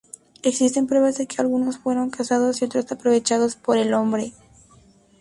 Existen pruebas de que algunos fueron cazados y otros aprovechados por el hombre.